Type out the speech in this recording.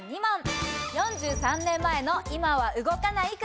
４３年前の今は動かない車。